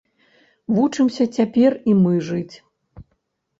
Вучымся цяпер і мы жыць.